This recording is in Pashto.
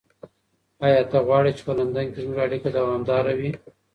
ایا ته غواړې چې په لندن کې زموږ اړیکه دوامداره وي؟